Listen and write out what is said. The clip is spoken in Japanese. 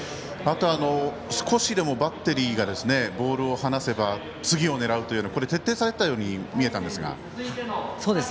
あと、少しでもバッテリーがボールを離せば次を狙うというのが徹底されていたように見えたんですが。